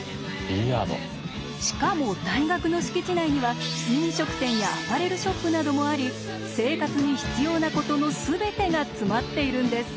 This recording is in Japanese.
しかも大学の敷地内には飲食店やアパレルショップなどもあり生活に必要なことの全てが詰まっているんです。